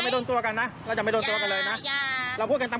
ดูคลิปกันค่ะ